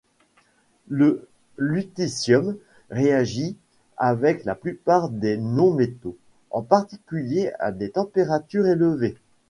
Le lutécium réagit avec la plupart des non-métaux, en particulier à des températures élevées.